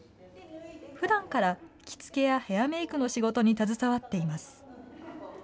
ふだんから着付けやヘアメークの仕事に携わっています。